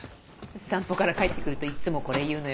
散歩から帰ってくるといっつもこれ言うのよ。